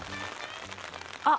あっ！